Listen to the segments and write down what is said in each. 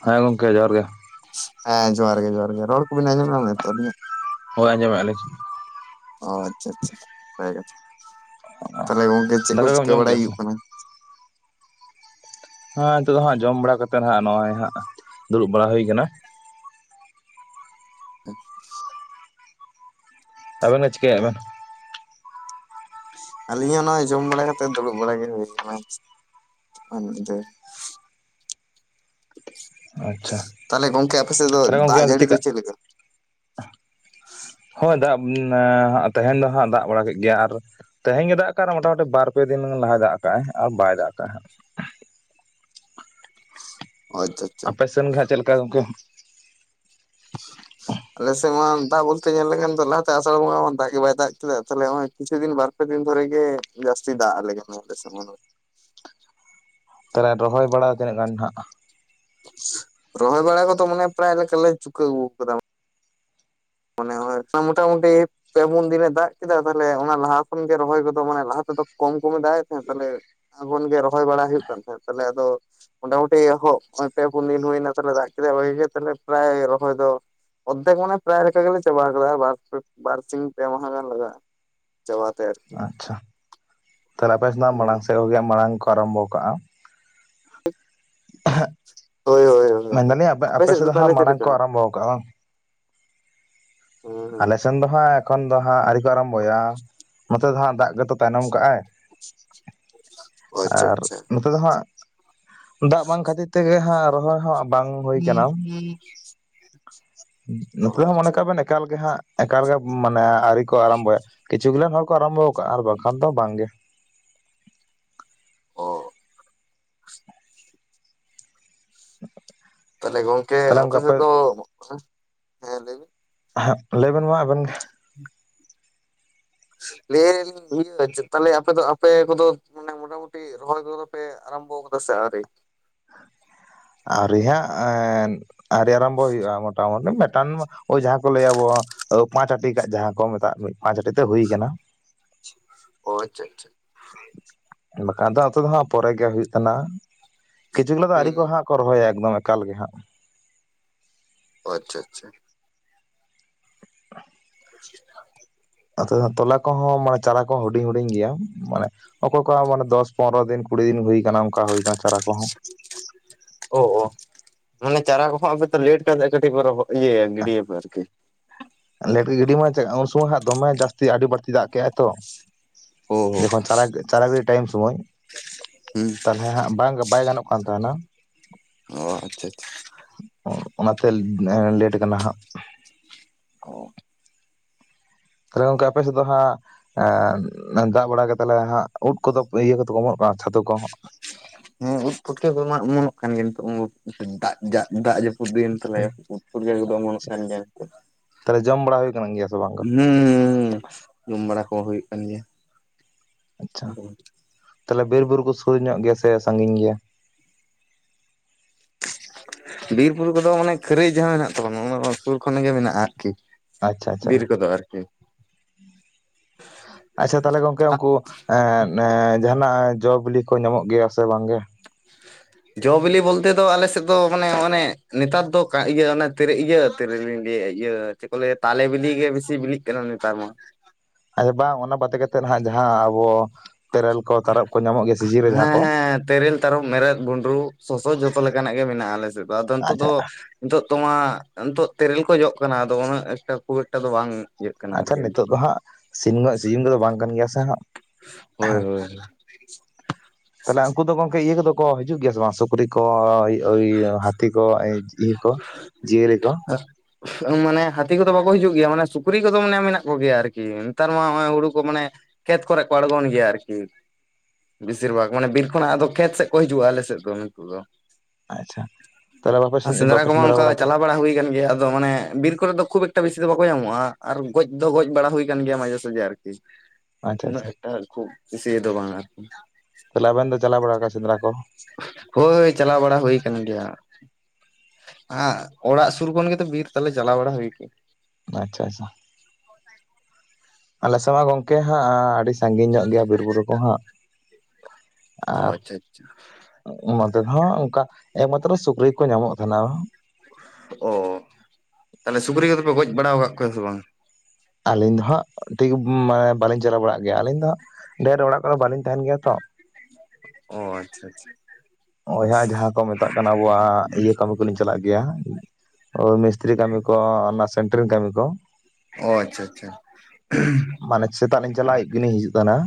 ᱦᱮᱸ ᱜᱚᱝᱠᱮ ᱡᱚᱦᱟᱨ ᱜᱮ ᱦᱮᱸ, ᱡᱚᱦᱟᱨ ᱜᱮ, ᱡᱚᱦᱟᱨ ᱜᱮ, ᱨᱚᱲ ᱠᱚᱵᱮᱱ ᱟᱸᱡᱚᱢ ᱧᱟᱸᱢᱮᱫ, ᱟᱛᱚ ᱟᱹᱞᱤᱧᱟᱜ ᱾ ᱦᱳᱭ, ᱟᱸᱡᱚᱢᱮᱜᱼᱟ, ᱞᱤᱧ ᱾ ᱚᱼ ᱟᱪᱪᱷᱟ ᱟᱪᱪᱷᱟ, ᱵᱷᱟᱜᱮ ᱠᱟᱛᱷᱟ, ᱛᱟᱦᱚᱞᱮ ᱜᱚᱝᱠᱮ, ᱪᱮᱫ ᱠᱚ ᱫᱟᱠᱟ ᱠᱚᱢ ᱪᱤᱠᱟᱹ ᱡᱚᱢ ᱵᱟᱲᱟᱭ ᱠᱮᱫᱼᱟ ᱥᱮ ᱦᱩᱭᱩᱜ ᱠᱟᱱᱟ? ᱦᱮᱸ, ᱱᱤᱛᱚᱜ ᱫᱚ ᱦᱟᱸᱜ, ᱡᱚᱢ ᱵᱟᱲᱟ ᱠᱟᱛᱮᱜ ᱦᱟᱸᱜ, ᱱᱚᱜ-ᱚᱭ ᱦᱟᱸᱜ, ᱫᱩᱲᱩᱵ ᱵᱟᱲᱟ ᱦᱩᱭ ᱟᱠᱟᱱᱟ ᱾ ᱟᱪᱪᱷᱟ [inaudible] ᱟᱵᱮᱱ ᱜᱮ, ᱪᱤᱠᱟᱹᱭᱮᱜ-ᱟ ᱵᱮᱱ? ᱟᱹᱞᱤᱧ ᱦᱚᱸ ᱱᱚᱜ-ᱚᱭ, ᱡᱚᱢ ᱵᱟᱲᱟ ᱠᱟᱛᱮᱫ, ᱫᱩᱲᱩᱵ ᱵᱟᱲᱟ ᱜᱮ, ᱦᱩᱭ ᱟᱠᱟᱱᱟ ᱾ ᱢᱤᱫ ᱫᱷᱟᱹᱨ ᱟᱪᱪᱷᱟ ᱛᱟᱦᱚᱞᱮ ᱜᱚᱝᱠᱮ, ᱟᱯᱮ ᱥᱮᱫ ᱫᱚ, ᱫᱟᱜ ᱡᱟᱹᱲᱤ ᱫᱚ, ᱪᱮᱫ ᱞᱮᱠᱟ? ᱦᱳᱸ ᱫᱟᱜ ᱟᱸᱻ ᱱᱮ, ᱛᱮᱦᱮᱱ ᱫᱚ ᱦᱟᱸᱜ, ᱫᱟᱜ ᱵᱟᱲᱟ ᱠᱮᱫ ᱜᱮᱭᱟ, ᱟᱨ ᱛᱮᱦᱮᱧ ᱜᱮ, ᱫᱟᱜ ᱟᱠᱟᱜ-ᱟ, ᱟᱨ ᱢᱚᱴᱟᱢᱩᱴᱤ, ᱵᱟᱨ ᱯᱮ ᱫᱤᱱ ᱞᱟᱦᱟᱭ ᱫᱟᱜ ᱟᱠᱟᱜᱼᱟᱭ, ᱟᱨ ᱵᱟᱭ ᱫᱟᱜ ᱟᱠᱟᱜᱼᱟᱭ ᱦᱟᱸᱜ, ᱟᱪᱪᱷᱟ ᱾ ᱟᱯᱮ ᱥᱮᱱ ᱜᱮ ᱦᱟᱸᱜ, ᱪᱮᱫ ᱞᱮᱠᱟ? ᱜᱚᱝᱠᱮ [inaudible] ᱟᱞᱮ ᱥᱮᱫ ᱢᱟ ᱫᱟᱜ ᱵᱳᱞᱛᱮ ᱧᱮᱞ ᱞᱮᱠᱷᱟᱱ ᱫᱚ, ᱞᱟᱦᱟᱛᱮ ᱟᱥᱟᱬ ᱵᱚᱸᱜᱟ ᱢᱟ ᱫᱟᱜ ᱜᱮ ᱵᱟᱭ ᱫᱟᱜ ᱠᱮᱫᱟᱭ᱾ ᱛᱟᱦᱚᱞᱮ ᱦᱚᱸᱜ-ᱚᱭ ᱠᱤᱪᱷᱩ ᱫᱤᱱ ᱵᱟᱨ ᱵᱟᱨ ᱯᱮ ᱫᱤᱱ ᱫᱷᱚᱨᱮ ᱜᱮ, ᱡᱟᱹᱥᱛᱤ ᱫᱟᱜ ᱟᱞᱮ ᱠᱟᱱᱟᱭ ᱾ [unintelligible] ᱛᱟᱦᱚᱞᱮ ᱨᱚᱦᱚᱭ ᱵᱟᱲᱟ ᱛᱤᱱᱟᱹᱜ ᱜᱟᱱ ᱦᱟᱜ? ᱨᱚᱦᱚᱭ ᱵᱟᱲᱟ ᱠᱚᱫᱚ ᱢᱟᱱᱮ, ᱯᱨᱟᱭ ᱞᱮᱠᱟ ᱞᱮ ᱪᱩᱠᱟᱹᱣ ᱟᱜᱩ ᱠᱟᱫᱟ᱾ ᱢᱟᱱᱮ ᱦᱚᱸᱜ-ᱚᱭ ᱢᱳᱴᱟᱢᱩᱴᱤ ᱯᱮ ᱯᱩᱱ ᱫᱤᱱᱮ ᱫᱟᱜ ᱠᱮᱫᱟ᱾ ᱛᱟᱦᱞᱮ ᱚᱱᱟ ᱞᱟᱦᱟ ᱠᱷᱚᱱᱜᱮ ᱨᱚᱦᱚᱭ ᱠᱚᱫᱚ ᱢᱟᱱᱮ ᱞᱟᱦᱟ ᱛᱮᱫᱚ ᱠᱚᱢ ᱠᱚᱢᱮ ᱫᱟᱜ ᱮᱫ ᱛᱟᱦᱮᱸᱫ ᱛᱟᱦᱚᱞᱮ ᱚᱱᱟ ᱠᱷᱚᱱ ᱜᱮ ᱨᱚᱦᱚᱭ ᱵᱟᱲᱟ ᱦᱩᱭᱩᱜ ᱠᱟᱱ ᱛᱟᱦᱮᱸᱫ ᱾ᱛᱟᱞᱦᱮ ᱟᱫᱚ ᱢᱳᱴᱟᱢᱩᱴᱤ ᱦᱚᱸᱜ-ᱚᱭ ᱯᱮ ᱯᱩᱱ ᱫᱤᱱ ᱦᱩᱭᱱᱟ ᱛᱟᱞᱦᱮ ᱫᱟᱜ ᱠᱤᱫᱟᱭ ᱵᱷᱟᱜᱤᱜᱮ, ᱛᱟᱞᱦᱮ ᱯᱨᱟᱭ ᱨᱚᱦᱚᱭ ᱫᱚ ᱚᱫᱫᱷᱮᱠ ᱢᱟᱱᱮ ᱯᱨᱟᱭ ᱞᱮᱠᱟ ᱜᱮᱞᱮ ᱪᱟᱵᱟ ᱟᱠᱟᱫᱟ᱾ ᱵᱟᱨ ᱯᱮ ᱵᱟᱨᱥᱤᱧ ᱯᱮ ᱢᱟᱦᱟ ᱜᱟᱱ ᱞᱟᱜᱟᱜᱼᱟ ᱪᱟᱵᱟ ᱛᱮ ᱟᱨᱠᱤ᱾ ᱟᱪᱪᱷᱟ, ᱛᱟᱦᱞᱮ ᱟᱯᱮ ᱥᱮᱱᱟᱜ ᱦᱩᱸ ᱢᱟᱲᱟᱝ ᱥᱮᱫ ᱢᱟᱲᱟᱝ ᱜᱮᱠᱚ ᱟᱨᱟᱢᱵᱷᱚ ᱟᱠᱟᱜᱼᱟ᱾ ᱦᱮᱸᱜ ᱦᱳᱭ ᱦᱳᱭ ᱦᱳᱭ ᱢᱮᱱ ᱦᱳᱭ ᱫᱟᱞᱤᱧ ᱟᱯᱮ ᱥᱮᱫ ᱟᱯᱮᱥᱮᱫ ᱫᱚ ᱦᱟᱜ ᱛᱟᱦᱚᱞᱮ ᱪᱮᱫ ᱢᱟᱲᱟᱝ ᱠᱚ ᱞᱮᱠᱟ ᱟᱨᱟᱢᱵᱷᱚ ᱟᱠᱟᱜᱼᱟ ᱵᱟᱝ? ᱦᱮᱸ ᱟᱞᱮᱥᱮᱱ ᱫᱚ ᱦᱟᱸᱜ ᱮᱠᱷᱚᱱ ᱫᱚ ᱦᱟᱸᱜ, ᱟᱹᱣᱨᱤ ᱠᱚ ᱟᱨᱟᱢᱵᱚᱭᱟ ᱱᱚᱛᱮ ᱫᱚ ᱦᱟᱸᱜ ᱫᱟᱜ ᱜᱮᱛᱚ ᱛᱟᱭᱱᱚᱢ ᱠᱟᱜ-ᱟᱭ᱾ [inaudible] [inaudible] ᱟᱨ ᱟᱪᱪᱷᱟ ᱱᱚᱛᱮ ᱫᱚ ᱦᱟᱸᱜ, ᱫᱟᱜ ᱵᱟᱝ ᱠᱷᱟᱹᱛᱤᱨ ᱛᱮᱜᱮ ᱦᱟᱸᱜ ᱨᱚᱦᱚᱭ ᱦᱚᱸ ᱵᱟᱝ ᱦᱩᱭ ᱠᱟᱱᱟ ᱾ [inaudible] ᱚ ᱱᱚᱛᱮ ᱦᱚᱸ ᱢᱚᱱᱮ ᱟᱪᱪᱷᱟ ᱠᱟᱜ ᱵᱮᱱ, ᱮᱠᱟᱞᱜᱮ ᱦᱟᱸᱜ ᱮᱠᱟᱞᱜᱮ ᱢᱟᱱᱮ ᱟᱹᱨᱤ ᱠᱚ ᱟᱨᱟᱢᱵᱚᱭᱟ᱾ ᱠᱤᱪᱷᱩ ᱜᱤᱞᱟᱱ ᱦᱚᱲ ᱠᱚ ᱟᱨᱟᱢᱵᱷᱚ ᱟᱠᱟᱜᱼᱟ ᱾ᱟᱨ ᱵᱟᱝᱠᱷᱟᱱ ᱫᱚ ᱵᱟᱝᱜᱮ᱾ ᱚ᱾ ᱛᱟᱦᱚᱞᱮ ᱜᱚᱝᱠᱮ ᱛᱟᱦᱚᱞᱮ ᱟᱯᱮ ᱚᱱᱠᱟ ᱥᱮᱫ ᱫᱚ, [unintelligible] ᱦᱮᱸ ᱞᱟᱹᱭ ᱵᱤᱱ ᱦᱮᱸ, ᱞᱟᱹᱭᱵᱤᱱ ᱢᱟ ᱟᱵᱮᱱ ᱜᱮ᱾ ᱞᱟᱹᱭ ᱤᱭᱟᱹ ᱛᱟᱦᱞᱮ ᱟᱯᱮ ᱫᱚ ᱟᱯᱮ ᱠᱚᱫᱚ ᱢᱟᱱᱮ ᱢᱚᱴᱟᱢᱩᱴᱤ ᱨᱚᱦᱚᱭ ᱠᱚᱫᱚ ᱯᱮ ᱟᱨᱚᱢᱵᱷᱛ ᱟᱠᱟᱫᱟ ᱥᱮ ᱟᱹᱣᱨᱤ? ᱟᱹᱣᱨᱤ ᱦᱟᱸᱜ ᱟᱹᱣᱨᱤ ᱟᱨᱟᱢᱵᱚ ᱦᱩᱭᱩᱜᱼᱟ ᱾ᱢᱚᱴᱟᱢᱩᱴᱤ ᱢᱤᱫᱴᱟᱝ ᱳᱭ ᱡᱟᱦᱟᱸ ᱠᱚ ᱞᱟᱹᱭᱟ ᱟᱵᱚ ᱯᱟᱸᱪ ᱟᱹᱴᱤ ᱡᱟᱦᱟᱸ ᱠᱚ ᱢᱮᱛᱟᱜ, ᱢᱤᱫ ᱯᱟᱸᱪ ᱟᱹᱴᱤ ᱛᱮ ᱦᱩᱭᱠᱟᱱᱟ᱾ ᱦᱚᱭ, ᱟᱪᱪᱷᱟ ᱟᱪᱪᱷᱟ᱾ ᱵᱟᱠᱷᱟᱱ ᱫᱚ ᱟᱹᱛᱩ ᱫᱚ ᱦᱟᱸᱜ ᱯᱚᱨᱮ ᱜᱮ ᱦᱩᱭᱩᱜ ᱠᱟᱱᱟ ᱾ᱠᱤᱪᱷᱩ ᱜᱤᱞᱟ ᱫᱚ ᱟᱹᱣᱨᱤ ᱦᱟᱸᱜ ᱦᱩᱸ ᱠᱚ ᱨᱚᱦᱚᱭᱟ ᱮᱠᱫᱚᱢ ᱮᱠᱟᱞ ᱜᱮ ᱦᱟᱸᱜ᱾ ᱟᱪᱪᱷᱟ ᱟᱪᱪᱷᱟ ᱾ [inaudible] ᱟ ᱛᱚᱞᱟ ᱠᱚᱦᱚᱸ, ᱢᱟᱱᱮ ᱪᱟᱨᱟ ᱠᱚᱦᱚᱸ ᱦᱩᱰᱤᱧ ᱦᱩᱰᱤᱧ ᱜᱮᱭᱟ᱾ ᱢᱟᱱᱮ ᱚᱠᱚᱭ ᱠᱚᱣᱟᱜ ᱢᱟᱱᱮ ᱫᱚᱥ ᱯᱚᱱᱨᱚ ᱫᱤᱱ ᱠᱩᱲᱤ ᱫᱤᱱ ᱦᱩᱭ ᱟᱠᱟᱱᱟ, ᱚᱱᱠᱟ ᱦᱩᱭ ᱟᱠᱟᱱᱟ ᱪᱟᱨᱟ᱾ ᱠᱚᱦᱚᱸ ᱚ ᱚ ᱾ ᱢᱟᱱᱮ ᱪᱟᱨᱟ ᱠᱚᱦᱚᱸ, ᱟᱯᱮ ᱛᱚ ᱞᱮᱴ ᱠᱟᱱ ᱠᱟᱹᱴᱤᱡ ᱤᱭᱟᱹᱭᱟ ᱜᱤᱰᱤᱭᱟ ᱯᱮ ᱟᱨᱠᱤ? ᱟᱞᱮ ᱜᱤᱰᱤ ᱢᱚᱸᱡᱽᱼᱟ ᱩᱱ ᱥᱚᱢᱚᱭ ᱦᱟᱸᱜ ᱫᱚᱢᱮ ᱡᱟᱹᱥᱛᱤ, ᱟᱹᱰᱤ ᱵᱟᱹᱲᱛᱤ ᱫᱟᱜ ᱠᱮᱫᱮᱜᱟᱭ ᱛᱚ ᱚ ᱾ ᱡᱚᱠᱷᱚᱱ ᱪᱟᱨᱟ ᱪᱟᱨᱟ ᱜᱤᱰᱤ ᱴᱟᱭᱤᱢ ᱥᱚᱢᱚᱭ᱾ ᱦᱩᱸ᱾ ᱛᱟᱦᱚᱞᱮ ᱦᱟᱸᱜ ᱵᱟᱝ ᱵᱟᱭ ᱜᱟᱱᱚᱜ ᱠᱟᱱ ᱛᱟᱦᱮᱱᱟ᱾ ᱚ, ᱟᱪᱪᱷᱟ ᱟᱪᱪᱷᱟ ᱾ ᱚ, ᱚᱱᱟᱛᱮ ᱞᱮᱴ ᱠᱟᱱᱟ ᱦᱟᱸᱜ ᱾ [unintelligible] ᱛᱟᱦᱚᱞᱮ ᱜᱚᱝᱠᱮ ᱟᱯᱮ ᱥᱮᱫ ᱫᱚ ᱦᱟᱸᱜ ᱫᱟᱜ ᱵᱟᱲᱟ ᱠᱟ ᱠᱟᱛᱮᱟᱞᱮ ᱦᱟᱸᱜ, ᱩᱫ ᱠᱚᱼᱫᱚ ᱤᱭᱟᱹ ᱠᱚᱫᱚ ᱠᱚ ᱮᱢᱚᱜ ᱠᱟᱱᱟ ᱪᱷᱟᱹᱛᱩ ᱠᱚ ᱦᱮᱸ ᱩᱫ ᱯᱷᱩᱚᱴᱠᱟᱹ ᱠᱚ ᱢᱟ ᱚᱢᱚᱱᱚᱜ ᱠᱟᱱ ᱜᱮ ᱱᱤᱛᱚᱜ, ᱫᱟᱜᱟᱜ ᱫᱟᱜ ᱡᱟᱹᱯᱩ. ᱠᱷᱩᱫᱮᱱ ᱛᱟᱦᱞᱮ [unintelligible] ᱠᱚᱫᱚ ᱢᱟᱱᱚᱜ ᱠᱟᱱ ᱜᱮᱭᱟᱱᱛ᱾ ᱛᱟᱦᱚᱞᱮ ᱡᱚᱢ ᱵᱟᱲᱟ ᱦᱩᱭ ᱟᱠᱟᱱ ᱜᱮᱭᱟ ᱥᱮ ᱵᱟᱝ? ᱜᱚ? ᱦᱩᱸ ᱡᱚᱢ ᱵᱟᱲᱟ ᱠᱚᱦᱚᱸ ᱦᱩᱭᱩᱜ ᱠᱟᱱ ᱜᱮᱭᱟ᱾ ᱟᱪᱪᱷᱟ ᱛᱟᱦᱞᱮ ᱵᱤᱨᱵᱩᱨᱩ ᱠᱚ ᱥᱩᱨ ᱧᱚᱜ ᱜᱮᱭᱟ ᱾ᱥᱮ ᱥᱟᱺᱜᱤᱧ ᱜᱮᱭᱟ? ᱵᱤᱨᱵᱩᱨᱩ ᱠᱚᱼᱫᱚ ᱢᱟᱱᱮ ᱠᱷᱟᱹᱨᱟᱹᱭ ᱡᱟᱦᱟᱸ ᱢᱮᱱᱟᱜ, ᱛᱟᱵᱚᱱᱟ ᱥᱩᱨ ᱠᱷᱚᱱ ᱜᱮ ᱢᱮᱱᱟᱜᱼᱟ᱾ ᱟᱨᱠᱤ ᱟᱪᱪᱷᱟ ᱟᱪᱪᱷᱟ ᱵᱤᱨ ᱠᱚᱼᱫᱚ ᱟᱨᱠᱤ ᱟᱪᱪᱷᱟ ᱛᱟᱦᱚᱞᱮ ᱜᱚᱝᱠᱮ ᱩᱱᱠᱩ, ᱮᱸ ᱮᱸ ᱡᱟᱦᱟᱱᱟᱼᱜ ᱡᱚ ᱵᱤᱞᱤ ᱠᱚ, ᱧᱟᱢᱚᱜ ᱜᱮᱭᱟ ᱥᱮ ᱵᱟᱝᱜᱮ [inaudible] ᱡᱚᱼ ᱵᱤᱞᱤ ᱵᱚᱞᱛᱮ ᱫᱚ ᱟᱞᱮᱥᱮᱫ ᱫᱚ, ᱢᱟᱱᱮ ᱚᱱᱮ ᱱᱮᱛᱟᱨ ᱫᱚ ᱤᱭᱟᱹ ᱤᱭᱟᱹ ᱛᱮᱨᱮ ᱨᱮᱞᱤᱧ ᱞᱟᱹᱭᱮᱫᱭ-ᱟ᱾ ᱤᱭᱟᱹ ᱪᱮᱫ ᱠᱚ ᱞᱟᱹᱭᱟ ᱛᱟᱞᱮ ᱵᱤᱞᱤ ᱜᱮ, ᱵᱮᱥᱤ ᱵᱤᱞᱤᱜ ᱠᱟᱱᱟ ᱱᱮᱛᱟᱨ ᱢᱟ᱾ ᱵᱟᱝ ᱚᱱᱟ ᱵᱟᱫᱮ ᱠᱟᱛᱮᱫ ᱦᱚᱸ ᱡᱟᱦᱟᱸ᱾ ᱟᱵᱚ ᱛᱮᱨᱮᱞ ᱠᱚ ᱛᱟᱨᱚᱵ ᱠᱚ ᱧᱟᱢᱚᱜ ᱜᱮᱭᱟ ᱾ᱥᱤᱡᱤ ᱨᱮ ᱡᱟᱦᱟᱸ ᱦᱮᱸ ᱠᱚ ᱛᱮᱨᱮᱞ, ᱛᱟᱨᱚᱵ, ᱢᱮᱨᱮᱫ, ᱜᱩᱸᱰᱨᱩ, ᱥᱚᱥᱚ, ᱡᱚᱛᱚ ᱞᱮᱠᱟᱱᱟᱜ ᱜᱮ ᱢᱮᱱᱟᱜᱼᱟ᱾ ᱟᱞᱮ ᱥᱮᱫ ᱫᱚ ᱟᱫᱚ ᱱᱤᱛᱚᱜ ᱟᱪᱪᱷᱟ ᱫᱚ ᱱᱤᱛᱚᱜ ᱛᱚᱢᱟ, ᱱᱤᱛᱚᱜ ᱛᱮᱨᱮᱞ ᱠᱚ ᱡᱚᱜ ᱠᱟᱱᱟ ᱾ ᱟᱫᱚ ᱩᱱᱟᱹᱜ ᱮᱠᱴᱟ ᱠᱷᱩᱵ ᱮᱠᱴᱟ ᱫᱚ ᱵᱟᱝ? ᱤᱭᱟᱹᱜ ᱠᱟᱱᱟ ᱟᱪᱪᱷᱟ ᱟᱨᱠᱤ ᱱᱤᱛᱚᱜ ᱫᱚ ᱦᱟᱸᱜ, ᱥᱤᱱᱢᱟ ᱥᱤᱡᱤᱱ ᱠᱚᱼᱫᱚ ᱵᱟᱝ ᱠᱟᱱ ᱜᱮᱭᱟ᱾ ᱥᱮ ᱦᱟᱸᱜ ᱦᱳᱭ, ᱦᱳᱭ ᱛᱟᱦᱚᱞᱮ ᱩᱱᱠᱩ ᱫᱚ ᱜᱚᱝᱠᱮ ᱤᱭᱟᱹ ᱠᱚᱼᱫᱚ ᱠᱚ ᱦᱤᱡᱩᱜ ᱜᱮᱭᱟ᱾ ᱥᱮ ᱵᱟᱝ ᱥᱩ ᱯᱩᱠᱨᱤ ᱠᱚ, ᱦᱟᱹᱛᱤ ᱠᱚ, ᱤᱭᱟᱹ ᱠᱚ ᱡᱤᱭᱟᱹᱞᱤ ᱠᱚ ᱢᱟᱱᱮ ᱦᱟᱹᱛᱤ ᱠᱚᱼᱫᱚ ᱵᱟᱠᱚ ᱦᱤᱡᱩᱜ ᱜᱮᱭᱟ ᱾ ᱢᱟᱱᱮ ᱥᱩᱠᱨᱤ ᱠᱚᱼᱫᱚ ᱢᱟᱱᱮ ᱢᱮᱱᱟᱜ ᱠᱚᱜᱮᱭ-ᱟ ᱾ ᱟᱨᱠᱤ ᱱᱮᱛᱟᱨ ᱢᱟ ᱱᱚᱜᱼᱚᱭ ᱦᱩᱲᱩ ᱠᱚ ᱢᱟᱱᱮ ᱠᱷᱮᱛ ᱠᱚᱨᱮ ᱠᱚ ᱟᱲᱜᱚᱱ ᱜᱮᱭᱟ ᱟᱨᱠᱤ᱾ ᱵᱮᱥᱤᱨ ᱵᱷᱟᱜᱽ ᱢᱟᱱᱮ ᱵᱤᱨ ᱠᱷᱚᱱᱟᱜ ᱟᱫᱚ ᱠᱷᱮᱛ ᱥᱮᱫ ᱠᱚ ᱦᱤᱡᱩᱜᱼᱟ ᱾ᱟᱞᱮ ᱥᱮᱫ ᱫᱚ ᱱᱩᱠᱩ ᱫᱚ᱾ ᱟᱪᱪᱷᱟ ᱛᱟᱦᱚᱞᱮ ᱵᱟᱯᱮ ᱟ ᱥᱮᱸᱫᱽᱨᱟ ᱵᱟᱯᱮ ᱠᱚᱢᱟ ᱚᱱᱠᱟ ᱠᱚᱣᱟ ᱪᱟᱞᱟᱣ ᱵᱟᱲᱟ ᱦᱩᱭ ᱠᱟᱱ ᱜᱮᱭᱟ ᱾ ᱟᱫᱚ ᱢᱟᱱᱮ ᱵᱤᱨ ᱠᱚᱨᱮ ᱫᱚ ᱠᱷᱩᱵ ᱮᱠᱴᱟ ᱵᱮᱥᱤ ᱫᱚ ᱵᱟᱠᱚ ᱧᱟᱢᱚᱜᱼᱟ᱾ ᱟᱨ ᱜᱚᱡ ᱫᱚ ᱜᱚᱡ ᱵᱟᱲᱟ ᱦᱩᱭ ᱠᱟᱱ ᱜᱮᱭᱟ᱾ ᱢᱟᱡᱷᱮ ᱥᱟᱡᱷᱮ ᱟᱨᱠᱤ᱾ ᱟᱪᱪᱷᱟ ᱩᱱᱟᱹᱜ ᱟᱪᱪᱷᱟ ᱮᱠᱴᱟ ᱠᱷᱩᱵ [unintelligible] ᱠᱩᱮᱥᱤᱭ ᱫᱚ ᱵᱟᱝ ᱟᱨᱠᱤ᱾ ᱛᱟᱦᱚᱞᱮ ᱟᱵᱮᱱ ᱫᱚ ᱪᱟᱞᱟ ᱵᱟᱲᱟᱜ ᱠᱟᱱᱟ ᱥᱮᱫᱽᱨᱟ ᱠᱚ? ᱦᱳᱭ, ᱦᱳᱭ ᱪᱟᱞᱟᱣ ᱵᱟᱲᱟ ᱦᱩᱭ ᱟᱠᱟᱱ ᱜᱮᱭᱟ᱾ ᱟᱸ ᱚᱲᱟᱜ ᱥᱩᱨ ᱠᱷᱚᱱ ᱜᱮᱛᱚ ᱵᱤᱨ ᱛᱟᱦᱚᱞᱮ ᱪᱟᱞᱟᱣ ᱵᱟᱲᱟ᱾ ᱦᱩᱭ ᱠᱟᱱ ᱟᱪᱪᱷᱟ -ᱟᱪᱪᱷᱟ᱾ ᱟᱞᱮ ᱥᱮᱫ ᱢᱟ ᱜᱚᱝᱠᱮ ᱦᱟᱸᱜ, ᱟᱹᱰᱤ ᱥᱟᱺᱜᱤᱧ ᱧᱚᱜ ᱜᱮᱭᱟ᱾ ᱵᱤᱨᱼᱵᱩᱨᱩ ᱠᱚ ᱦᱟᱸᱜ ᱚ ᱟᱨ ᱟᱪᱪᱷᱟ ᱟᱪᱪᱷᱟ᱾ ᱱᱚᱛᱮ ᱫᱚ ᱦᱟᱸᱜ ᱚᱱᱠᱟ, ᱮᱠᱢᱟᱛᱨᱚ ᱥᱩᱠᱨᱤ ᱠᱚ ᱧᱟᱢᱚ-ᱜ ᱛᱟᱦᱮᱱᱟ᱾ ᱚᱻ ᱛᱟᱦᱚᱞᱮ ᱥᱩᱠᱨᱤ ᱠᱚᱼᱫᱚ ᱯᱮ ᱜᱚᱡ ᱵᱟᱲᱟ ᱟᱠᱟᱫ ᱠᱚᱣᱟ ᱥᱮ ᱵᱟᱝ? ᱟᱞᱤᱧ ᱫᱚ ᱦᱟᱸᱜ ᱴᱷᱤᱠ ᱢᱟᱱᱮ ᱵᱟᱞᱤᱧ ᱪᱟᱞᱟᱣ ᱵᱟᱲᱟᱜ ᱜᱮᱭᱟ᱾ ᱟᱞᱤᱧ ᱫᱚ ᱦᱟᱸᱜ ᱰᱷᱮᱨ ᱚᱲᱟᱜ ᱠᱚᱼᱫᱚ ᱵᱟᱹᱞᱤᱧ ᱛᱟᱦᱮᱱ ᱜᱮᱭ-ᱟ᱾ ᱛᱚ ᱚᱸ ᱟᱪᱪᱷᱟ ᱟᱪᱪᱷᱟ ᱚᱸ ᱦᱟᱸᱜ ᱡᱟᱦᱟᱸ ᱠᱚ ᱢᱮᱛᱟᱜ ᱠᱟᱱᱟ᱾ ᱟᱵᱚᱣᱟ-ᱜ ᱤᱭᱟᱹ ᱠᱟᱹᱢᱤ ᱠᱚᱞᱤᱧ ᱪᱟᱞᱟᱜ ᱜᱮᱭ-ᱟ᱾ ᱢᱤᱥ ᱛᱷᱤᱨᱤ ᱠᱟᱹᱢᱤ ᱠᱚ, ᱚᱱᱟ ᱥᱮᱱᱴᱟᱨ ᱠᱟᱹᱢᱤ ᱠᱚ, ᱚ ᱟᱪᱪᱷᱟ ᱟᱪᱪᱷᱟ ᱢᱟᱱᱮ ᱥᱮᱛᱟᱜ ᱞᱤᱧ ᱪᱟᱞᱟᱜᱼᱟ᱾ ᱟᱹᱭᱩᱵ ᱞᱤᱧ ᱦᱤᱡᱩᱜ ᱛᱟᱦᱮᱱᱟ᱾